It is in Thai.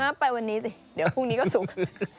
งั้นไปวันนี้สิเดี๋ยวพรุ่งนี้ก็สุก